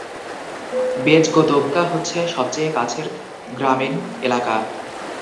বেজগোদোভকা হচ্ছে সবচেয়ে কাছের গ্রামীণ এলাকা।